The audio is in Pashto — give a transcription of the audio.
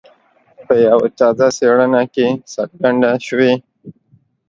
په یوه تازه څېړنه کې څرګنده شوي.